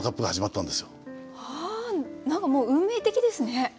はあ何かもう運命的ですね。